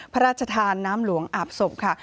พระราชทานน้ำหลวงอาบศพค่ะ